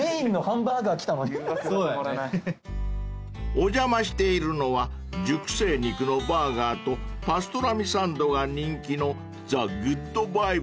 ［お邪魔しているのは熟成肉のバーガーとパストラミサンドが人気の］